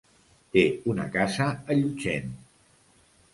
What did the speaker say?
Té una casa a Llutxent.